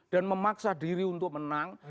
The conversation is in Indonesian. dan memaksa diri untuk menang